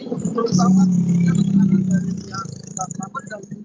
terutama dengan penerbangan dari mbak selamet